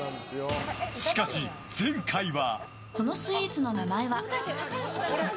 しかし、前回は。